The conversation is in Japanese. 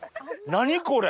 何これ？